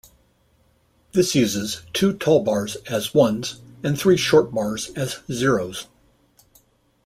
This uses two tall bars as "ones" and three short bars as "zeros".